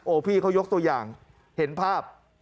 พี่เขายกตัวอย่างเห็นภาพ